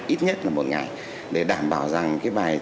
ít nhất là một ngày để đảm bảo rằng cái bài